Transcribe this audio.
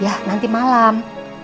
yah nanti malam